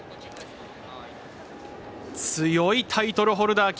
強いタイトルホルダー！